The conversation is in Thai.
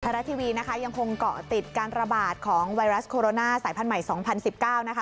รัฐทีวีนะคะยังคงเกาะติดการระบาดของไวรัสโคโรนาสายพันธุ์ใหม่๒๐๑๙นะคะ